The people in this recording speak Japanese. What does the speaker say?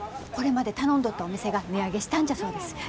これまで頼んどったお店が値上げしたんじゃそうです。